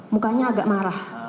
mukanya agak marah